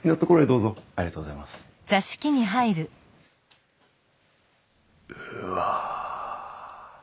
うわ。